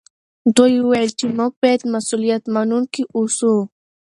دوی وویل چې موږ باید مسوولیت منونکي اوسو.